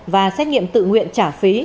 và xét nghiệm tự nguyện trả phí